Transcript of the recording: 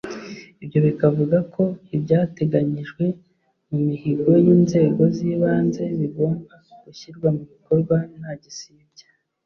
Ibyo bikavuga ko ibyateganyijwe mu mihigo y’inzego z’ibanze bigomba gushyirwa mu bikorwa nta gisibya